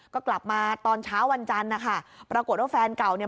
ก็กลับมาตอนเช้าวันจันทร์นะคะปรากฏว่าแฟนเก่าเนี่ย